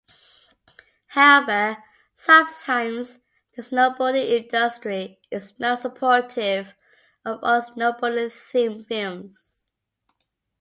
However, sometimes the snowboarding industry is not supportive of all snowboarding-themed films.